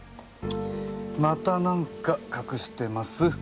またなんか隠してます？